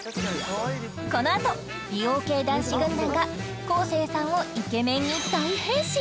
それこのあと美容系男子軍団が昴生さんをイケメンに大変身？